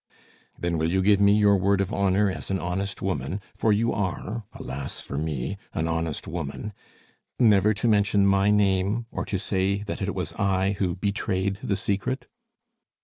"Then will you give me your word of honor as an honest woman for you are, alas for me! an honest woman never to mention my name or to say that it was I who betrayed the secret?"